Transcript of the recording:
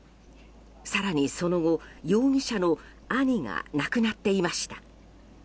更にその後、容疑者の兄が亡くなっていました。